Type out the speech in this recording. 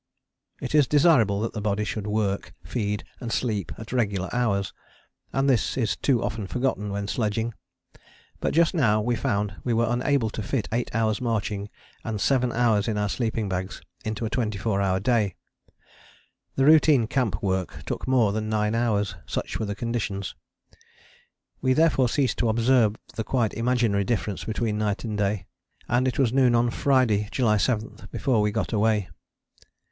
It is desirable that the body should work, feed and sleep at regular hours, and this is too often forgotten when sledging. But just now we found we were unable to fit 8 hours marching and 7 hours in our sleeping bags into a 24 hour day: the routine camp work took more than 9 hours, such were the conditions. We therefore ceased to observe the quite imaginary difference between night and day, and it was noon on Friday (July 7) before we got away.